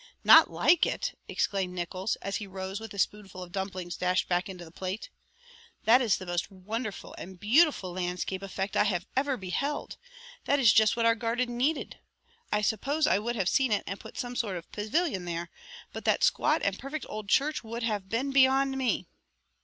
"Not like it!" exclaimed Nickols, as he rose with the spoonful of dumplings dashed back into the plate. "That is the most wonderful and beautiful landscape effect I have ever beheld. That is just what our garden needed. I suppose I would have seen it and put some sort of a pavilion there, but that squat and perfect old church would have been beyond me."